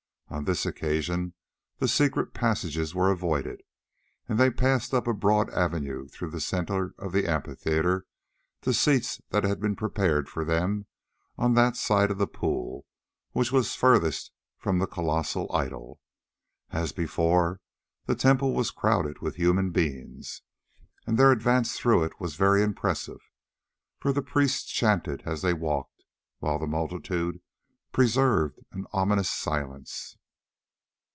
On this occasion the secret passages were avoided, and they passed up a broad avenue though the centre of the amphitheatre, to seats that had been prepared for them on that side of the pool which was furthest from the colossal idol. As before, the temple was crowded with human beings, and their advance through it was very impressive, for the priests chanted as they walked, while the multitude preserved an ominous silence.